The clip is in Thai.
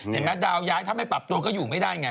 ดาวย้ายถ้าไม่ปรับตัวก็อยู่ไม่ได้ไง